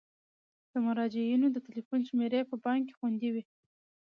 د مراجعینو د تلیفون شمیرې په بانک کې خوندي وي.